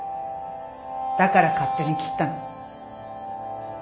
だから勝手に切ったの？